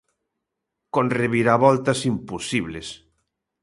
Con reviravoltas imposibles.